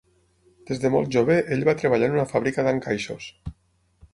Des de molt jove ell va treballar en una fàbrica d'encaixos.